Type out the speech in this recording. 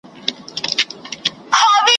د نن پوښتنه مه کوه پر مېنه مي اور بل دی ,